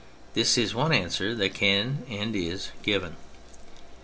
That is one answer that can be, and is, given.